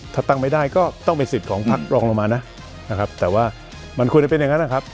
ถ้าตั้งไม่ได้ก็ต้องเป็นสิทธิ์ของพักรองลงมานะนะครับแต่ว่ามันควรจะเป็นอย่างนั้นนะครับ